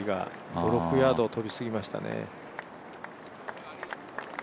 ５６ヤード飛びすぎましたね。